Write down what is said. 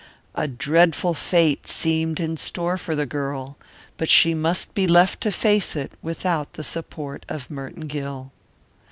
A dreadful fate seemed in store for the girl, but she must be left to face it without the support of Merton Gill.